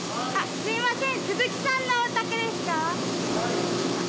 すみません